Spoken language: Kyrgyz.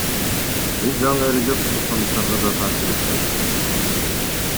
Бул жаңы эреже кыргызстандыктарга да таасир эткен.